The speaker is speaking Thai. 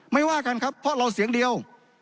ว่ากันครับเพราะเราเสียงเดียว